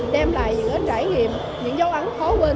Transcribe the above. đem lại những trải nghiệm những dấu ấn khó quên